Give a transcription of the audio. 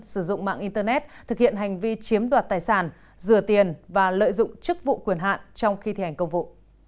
sử dụng mạng internet thực hiện hành vi chiếm đoạt tài sản rửa tiền và lợi dụng chức vụ quyền hạn trong khi thi hành công vụ